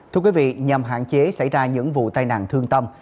thưa quý vị nhằm hạn chế xảy ra những vụ tai nạn thương tâm